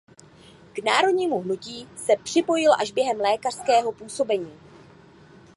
K národnímu hnutí se připojil až během lékařského působení.